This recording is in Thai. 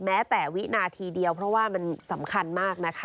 แม้แต่วินาทีเดียวเพราะว่ามันสำคัญมากนะคะ